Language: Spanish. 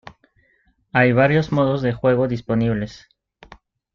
Hay varios modos de juego disponibles.